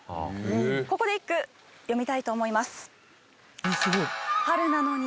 ここで一句詠みたいと思います。